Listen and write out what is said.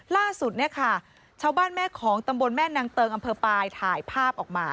ล่าสุดเนี่ยค่ะชาวบ้านแม่ของตำบลแม่นางเติงอำเภอปลายถ่ายภาพออกมา